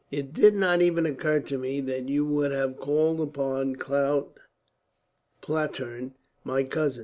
"It did not even occur to me that you would have called upon Count Platurn, my cousin.